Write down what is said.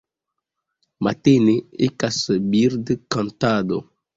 Matene ekas birdkantado.